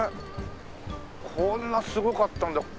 こんなすごかったんだ。